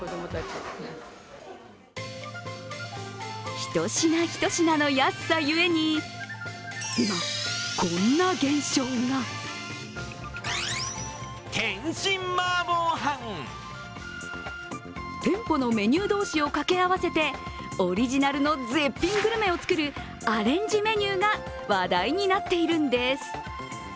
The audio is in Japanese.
一品一品の安さゆえに、今、こんな現象がテンポのメニュー同士をかけ合わせて、オリジナルの絶品グルメを作るアレンジメニューが話題になっているんです。